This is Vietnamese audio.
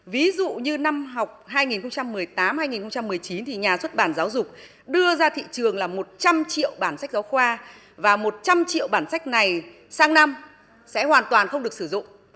ví dụ như năm học hai nghìn một mươi tám hai nghìn một mươi chín thì nhà xuất bản giáo dục đưa ra thị trường là một trăm linh triệu bản sách giáo khoa và một trăm linh triệu bản sách này sang năm sẽ hoàn toàn không được sử dụng